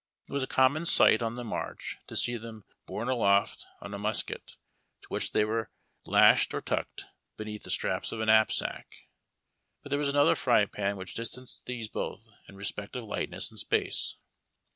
It was a conunuu sight on the march to see tlieui borne aloft on a musket, to which they were lashed, or tucked beneath the straps of a knapsack. But there was another fr3' pan which distanced these both in respect of lightness and space.